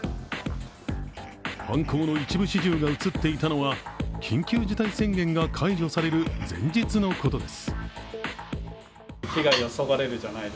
犯行の一部始終が映っていたのは、緊急事態宣言が解除される前日のことです。